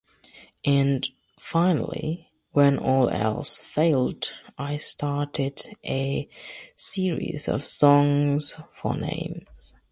And, finally, when all else failed, I started a series of songs for names.